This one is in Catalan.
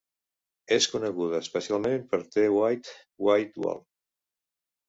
És coneguda especialment per "The Wide, Wide World".